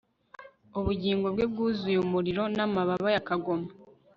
Ubugingo bwe bwuzuye umuriro namababa ya kagoma